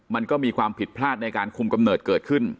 มันก็มีความผิดพลาดในการคุมกำเนิดเกิดขึ้น